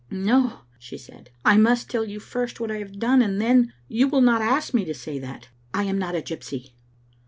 "No," she said, "I must tell you first what I have done, and then you will not ask me to say that. I am not a gypsy."